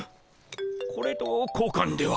これと交換では？